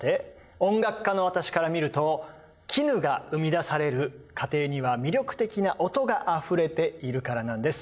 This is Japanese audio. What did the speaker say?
音楽家の私から見ると絹が生み出される過程には魅力的な音があふれているからなんです。